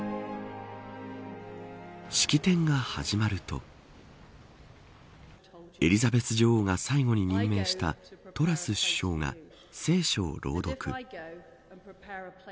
式典が始まるとエリザベス女王が最後に任命したトラス首相が聖書を朗読。